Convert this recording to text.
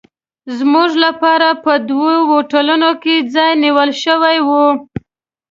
زموږ لپاره په دوو هوټلونو کې ځای نیول شوی و.